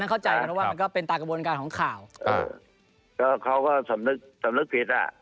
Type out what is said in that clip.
แน่มันส่วนเติมของโปรไฟล์ของเราที่เราทำอยู่ใช่ไหม